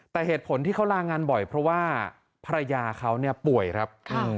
แต่เหตุผลที่เขาลางานบ่อยเพราะว่าภรรยาเขาเนี่ยป่วยครับ